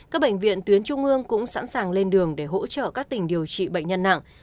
các bệnh viện tuyến trung ương cũng sẵn sàng lên đường để hỗ trợ các tỉnh điều trị bệnh nhân nặng